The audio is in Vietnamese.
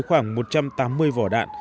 khoảng một trăm tám mươi vỏ đạn